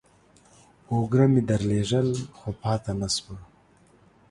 اوگره مې درلېږل ، خو پاته نسوه.